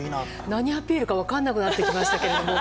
何アピールか分からなくなってきましたけど。